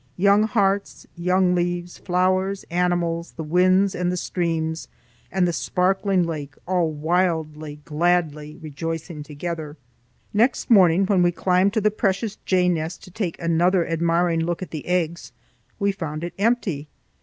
Young hearts, young leaves, flowers, animals, the winds and the streams and the sparkling lake, all wildly, gladly rejoicing together! Next morning, when we climbed to the precious jay nest to take another admiring look at the eggs, we found it empty.